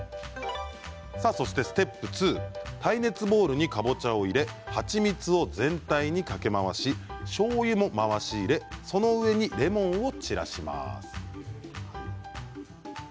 そして、ステップ２耐熱ボウルにかぼちゃを入れ蜂蜜を全体にかけ回ししょうゆも回し入れその上にレモンを散らします。